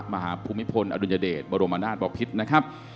ภูมิพลอดุลยเดชบรมนาศบพิษนะครับ